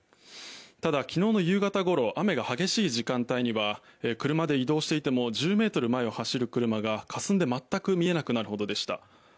ただ、昨日の夕方ごろ雨が激しい時間帯には車で移動していても１０ｍ前を走る車がかすんで全く見えなくなるほどでした。